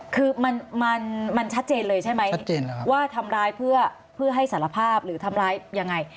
คือมันมันชัดเจนเลยใช่ไหมว่าทำร้ายเพื่อให้สารภาพหรือทำร้ายยังไง